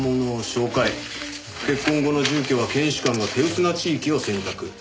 「結婚後の住居は検視官が手薄な地域を選択」。